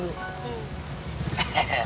aku juga mau kuliah